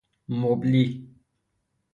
مبلی